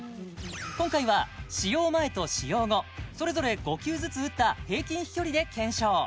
今回は使用前と使用後それぞれ５球ずつ打った平均飛距離で検証